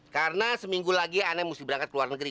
karena seminggu lagi anaknya mesti berangkat ke luar negeri